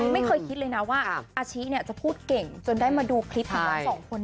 ไม่เคยคิดเลยนะว่าอาชิจะพูดเก่งจนได้มาดูคลิปของทั้งสองคน